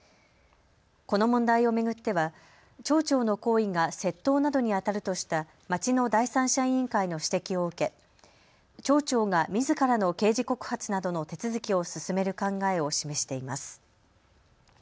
この問題を巡っては町長の行為が窃盗などにあたるとした町の第三者委員会の指摘を受け町長がみずからの刑事告発などの手続きを進める考えを示しています。